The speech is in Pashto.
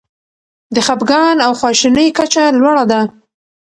د خپګان او خواشینۍ کچه لوړه ده.